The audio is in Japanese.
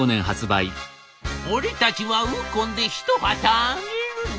「俺たちはウコンで一旗揚げるんだ！